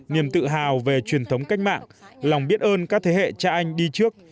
niềm tự hào về truyền thống cách mạng lòng biết ơn các thế hệ cha anh đi trước